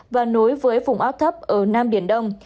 và nối với vùng áp thấp ở nam biển đông